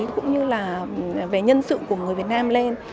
cũng như là về nhân sự của người việt nam lên